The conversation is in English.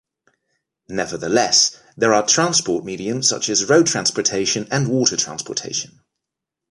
Nevertheless, there are transport mediums such as road transportation and water transportation.